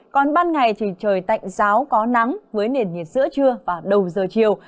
còn ban ngày thì trời tạnh giáo có nắng với nền nhiệt giữa trưa và đầu giờ chiều